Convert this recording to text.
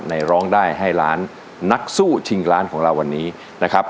ร้องได้ให้ล้านนักสู้ชิงล้านของเราวันนี้นะครับ